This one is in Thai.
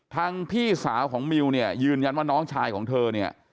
พี่สาวของมิวเนี่ยยืนยันว่าน้องชายของเธอเนี่ย